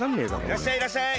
いらっしゃいいらっしゃい！